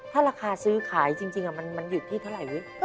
ถ้าราคาซื้อขายจริงมันหยุดที่เท่าไหร่